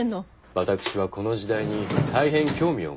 私はこの時代に大変興味を持ちました。